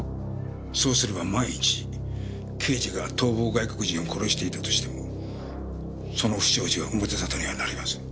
そうすれば万一刑事が逃亡外国人を殺していたとしてもその不祥事が表沙汰にはなりません。